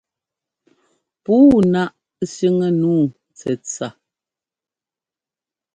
Puu náʼ sẅiŋɛ́ nǔu tsɛtsa.